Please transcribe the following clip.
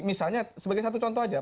misalnya sebagai satu contoh aja